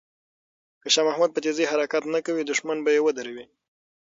که شاه محمود په تېزۍ حرکت نه کوي، دښمن به یې ودروي.